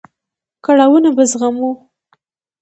کړاوونه به زغمو.